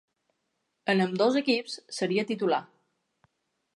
En ambdós equips seria titular.